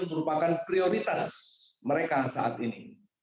merupakan prioritas mereka saat ini